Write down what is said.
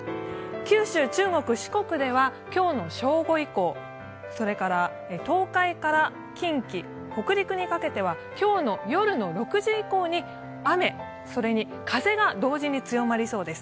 九州、中国、四国では今日の正午以降、それから東海から近畿、北陸にかけては今日の夜の６時以降に雨それに風が同時に強まりそうです。